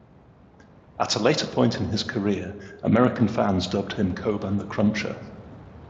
At a later point in his career, American fans dubbed him Coban The Cruncher.